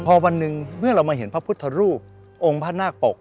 พอวันหนึ่งเมื่อเรามาเห็นพระพุทธรูปองค์พระนาคปก